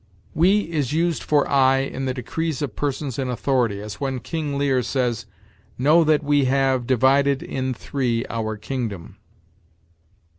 "'We' is used for 'I' in the decrees of persons in authority; as when King Lear says: 'Know that we have divided In three our kingdom.'